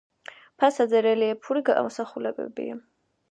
ფასადზე რელიეფური გამოსახულებებია.